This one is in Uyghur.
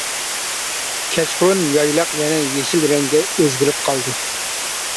كەچقۇرۇن يايلاق يەنە يېشىل رەڭگە ئۆزگىرىپ قالدى.